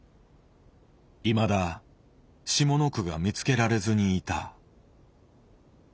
いまだ下の句が見つけられずにいた。